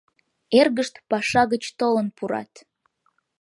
Эргышт паша гыч толын пурат.